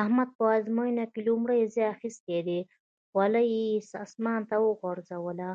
احمد په ازموينه کې لومړی ځای اخيستی دی؛ خولۍ يې اسمان ته وغورځوله.